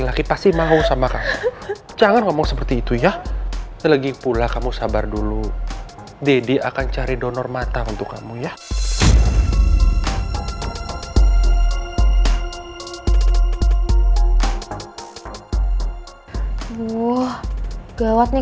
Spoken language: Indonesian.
kau barusan semua kotor etme banget